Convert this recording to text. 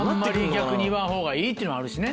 逆に言わんほうがいいっていうのあるしね。